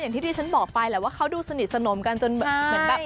อย่างที่ที่ฉันบอกไปแบบว่าเขาดูสนิทธิ์สนมกันจนแบบ